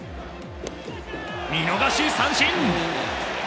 見逃し三振。